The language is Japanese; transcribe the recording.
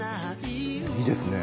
いいですね。